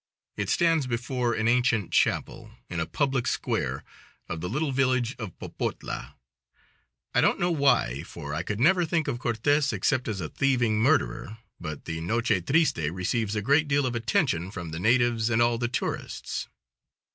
It stands before an ancient chapel, in a public square of the little village of Popotla. I don't know why, for I could never think of Cortez except as a thieving murderer, but the Noche Triste receives a great deal of attention from the natives and all the tourists.